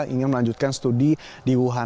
ingin melanjutkan studi di wuhan